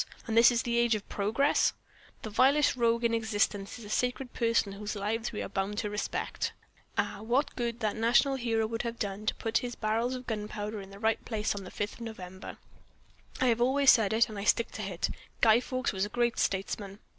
And this is the age of progress! The vilest rogue in existence is a sacred person whose life we are bound to respect. Ah, what good that national hero would have done who put his barrels of gunpowder in the right place on the Fifth of November! I have always said it, and I stick to it, Guy Fawkes was a great statesman."